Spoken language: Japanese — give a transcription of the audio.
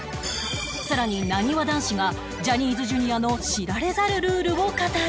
さらになにわ男子がジャニーズ Ｊｒ． の知られざるルールを語る！